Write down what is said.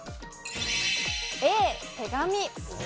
Ａ、手紙。